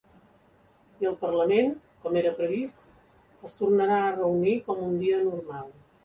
I el parlament, com era previst, es tornarà a reunir com un dia normal.